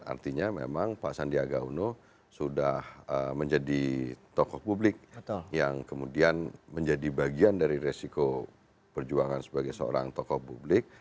artinya memang pak sandiaga uno sudah menjadi tokoh publik yang kemudian menjadi bagian dari resiko perjuangan sebagai seorang tokoh publik